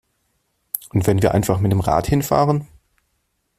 Und wenn wir einfach mit dem Rad hinfahren?